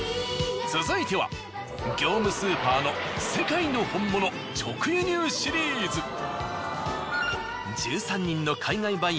続いては業務スーパーの世界の本物直輸入シリーズ。